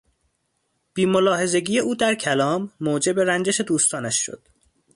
بیملاحظگی او در کلام موجب رنجش دوستانش شد.